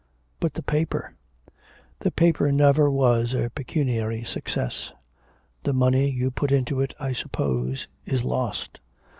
'But the paper?' 'The paper never was a pecuniary success.' 'The money you put into it, I suppose, is lost.'